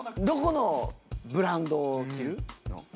どこのブランドを着るの？